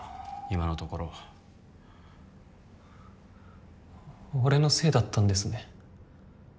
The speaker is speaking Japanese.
今のところ俺のせいだったんですね